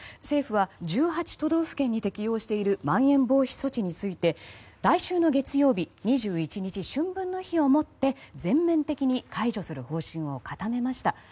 政府は１８都道府県に適用しているまん延防止措置について来週の月曜日２１日、春分の日を持って全面的に解除する方針を固めました。